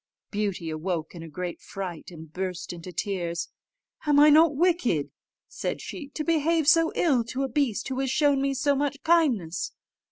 Beauty awoke in a great fright, and burst into tears. "Am not I wicked," said she, "to behave so ill to a beast who has shown me so much kindness?